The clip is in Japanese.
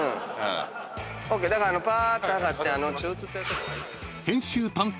だからぱーっと上がって。